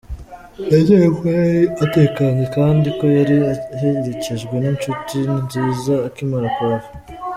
Nizere ko yari atekanye kandi ko yari aherekejwe n’inshuti nziza akimara kuhava.